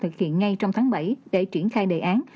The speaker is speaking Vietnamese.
thực hiện ngay trong tháng bảy để triển khai đề án